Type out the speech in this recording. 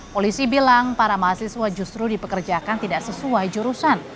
polisi bilang para mahasiswa justru dipekerjakan tidak sesuai jurusan